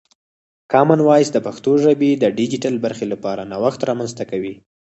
کامن وایس د پښتو ژبې د ډیجیټل برخې لپاره نوښت رامنځته کوي.